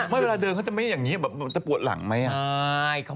เวลาเดินเขาจะไม่อย่างนี้แบบจะปวดหลังไหม